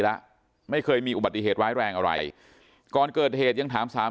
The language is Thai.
ปกติสามีเป็นคนระมัดระวังตัวมาก